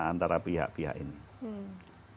antara pihak pihak ini